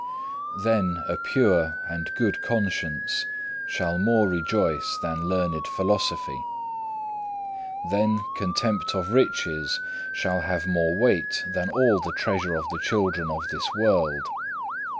6. Then a pure and good conscience shall more rejoice than learned philosophy. Then contempt of riches shall have more weight than all the treasure of the children of this world.